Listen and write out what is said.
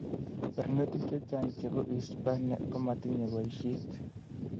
Barnotik chechang chebo uhispania komotinye boisiet